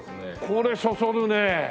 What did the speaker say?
これそそるね。